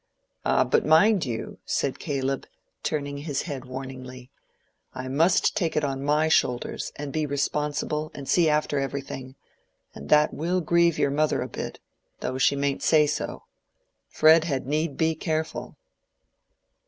"Ah, but mind you," said Caleb, turning his head warningly, "I must take it on my shoulders, and be responsible, and see after everything; and that will grieve your mother a bit, though she mayn't say so. Fred had need be careful."